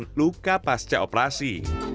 dan luka pasca operasi